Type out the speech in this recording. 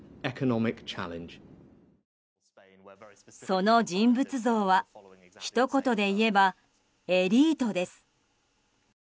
その人物像はひと言で言えばエリートです。